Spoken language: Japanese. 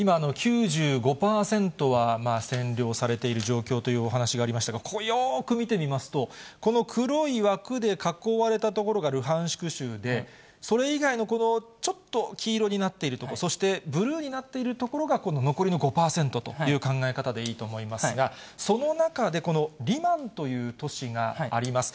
今、９５％は占領されている状況というお話がありましたが、ここ、よーく見てみますと、この黒い枠で囲われた所がルハンシク州で、それ以外のこのちょっと黄色になっている所、そしてブルーになっている所が、この残りの５％という考え方でいいと思いますが、その中でこのリマンという都市があります。